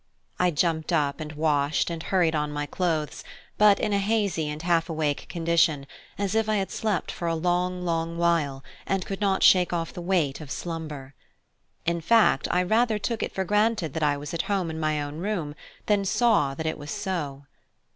I jumped up and washed and hurried on my clothes, but in a hazy and half awake condition, as if I had slept for a long, long while, and could not shake off the weight of slumber. In fact, I rather took it for granted that I was at home in my own room than saw that it was so.